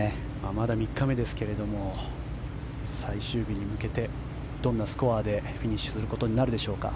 まだ３日目ですが最終日に向けてどんなスコアでフィニッシュすることになるでしょうか。